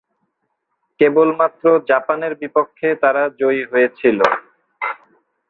কেবলমাত্র জাপানের বিপক্ষে তারা জয়ী হয়েছিল।